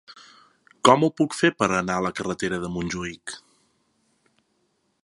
Com ho puc fer per anar a la carretera de Montjuïc?